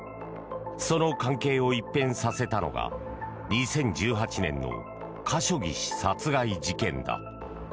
その関係を一変させたのが２０１８年のカショギ氏殺害事件だ。